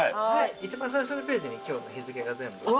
一番最初のページに今日の日付が全部入って。